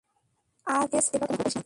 আর এমএস, প্লীজ এবার কোনো ভুল করিস না।